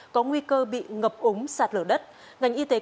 có nguy cơ bị ngập ống sạt lở đất